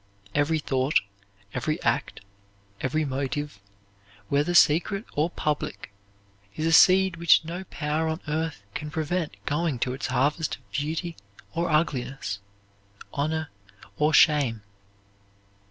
Every thought, every act, every motive, whether secret or public, is a seed which no power on earth can prevent going to its harvest of beauty or ugliness, honor or shame.